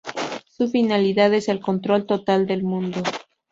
Su finalidad es el control total del mundo.